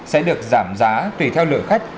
sẽ được giảm giá tùy theo lượng khách